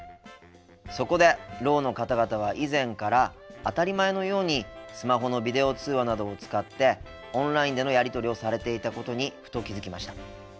そこでろうの方々は以前から当たり前のようにスマホのビデオ通話などを使ってオンラインでのやり取りをされていたことにふと気付きました。